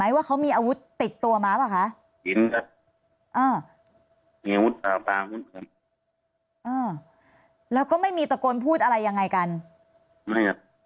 อินครับเออเออแล้วก็ไม่มีตะโกนพูดอะไรยังไงกันไม่อ่ะ